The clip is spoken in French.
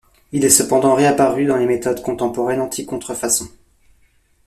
Il est cependant réapparu dans les méthodes contemporaines anti-contrefaçon.